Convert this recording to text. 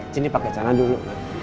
sini pakai celana dulu